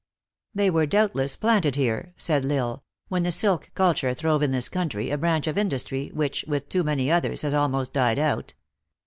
"They were doubtless planted here," said L Isle, " when the silk culture throve in this country, a branch of industry, which, with too many others, has almost died out.